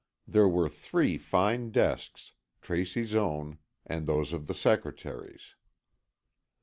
There were three fine desks, Tracy's own, and those of the secretaries.